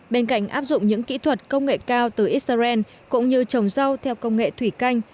bên cạnh áp dụng những kỹ thuật công nghệ cao từ israel cũng như trồng rau theo công nghệ thủy canh